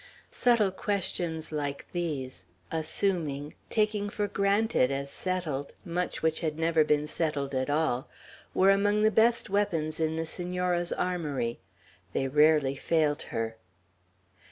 Subtle questions like these, assuming, taking for granted as settled, much which had never been settled at all, were among the best weapons in the Senora's armory. They rarely failed her.